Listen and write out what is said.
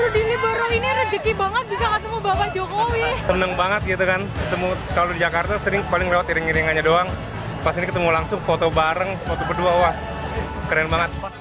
di yogyakarta sering paling lewat iring iringannya doang pas ini ketemu langsung foto bareng foto berdua wah keren banget